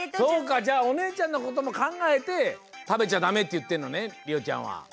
そうかじゃあおねえちゃんのこともかんがえてたべちゃダメっていってるのねりおちゃんは。